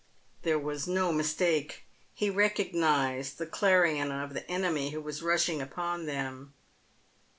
There was no mis take. He recognised the clarion of the enemy who was rushing upon them.